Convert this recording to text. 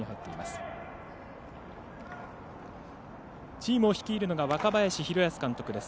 チームを率いるのが若林弘泰監督です。